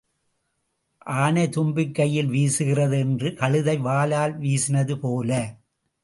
ஆனை தும்பிக்கையில் வீசுகிறது என்று கழுதை வாலால் வீசினது போல.